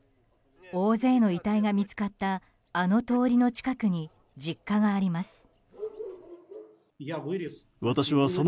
大勢の遺体が見つかったあの通りの近くに実家があります。